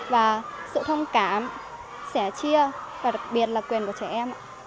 và sự thông cảm sẻ chia và đặc biệt là quyền của trẻ em